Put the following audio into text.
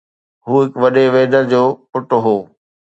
هو هڪ وڏي ويدير جو پٽ هو.